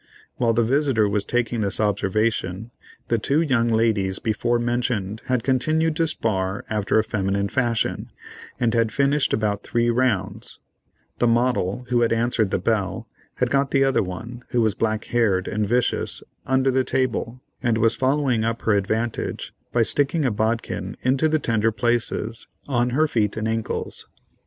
While the visitor was taking this observation, the two young ladies before mentioned had continued to spar after a feminine fashion, and had finished about three rounds; the model, who had answered the bell, had got the other one, who was black haired and vicious, under the table, and was following up her advantage by sticking a bodkin into the tender places on her feet and ancles.